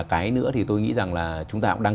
cái nữa thì tôi nghĩ rằng là chúng ta cũng đang